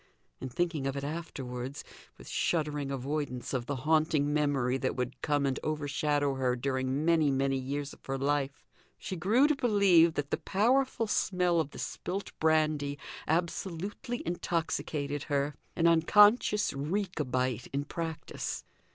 In thinking of it afterwards, with shuddering avoidance of the haunting memory that would come and overshadow her during many, many years of her life, she grew to believe that the powerful smell of the spilt brandy absolutely intoxicated her an unconscious Rechabite in practice.